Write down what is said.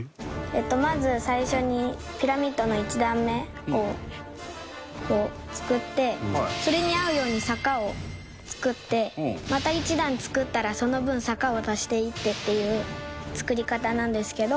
まず最初にピラミッドの１段目を作ってそれに合うように坂を作ってまた１段、作ったらその分、坂を足していってっていう作り方なんですけど。